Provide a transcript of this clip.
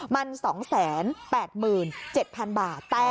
มัน๒๘๗๐๐บาท